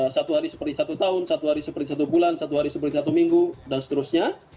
satu hari seperti satu tahun satu hari seperti satu bulan satu hari seperti satu minggu dan seterusnya